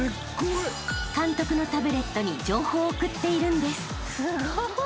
［監督のタブレットに情報を送っているんです］